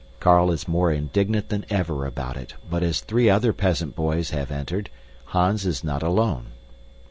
Carl is more indignant than ever about it, but as three other peasant boys have entered, Hans is not alone.